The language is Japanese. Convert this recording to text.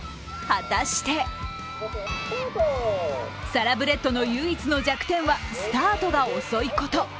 果たしてサラブレッドの唯一の弱点はスタートが遅いこと。